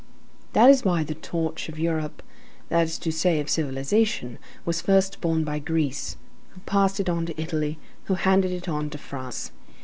That is why the torch of Europe, that is to say of civilization, was first borne by Greece, who passed it on to Italy, who handed it on to France.